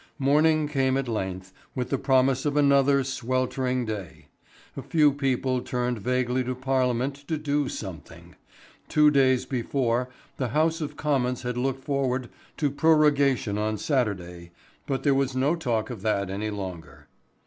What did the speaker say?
Morning came at length, with the promise of another sweltering day. A few people turned vaguely to Parliament to do something. Two days before the House of Commons had looked forward to prorogation on Saturday, but there was no talk of that any longer.